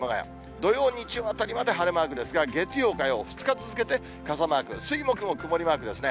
土曜、日曜あたりまで晴れマークですが、月曜、火曜、２日続けて傘マーク、水、木も曇りマークですね。